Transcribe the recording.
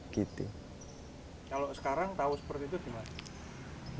kalau sekarang tahu seperti itu gimana